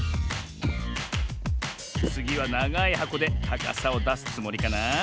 つぎはながいはこでたかさをだすつもりかな？